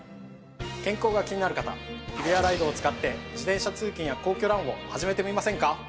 健康が気になる方ＨＩＢＩＹＡＲＩＤＥを使って自転車通勤や皇居ランを始めてみませんか？